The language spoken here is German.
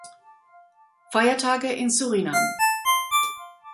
Feiertage in Suriname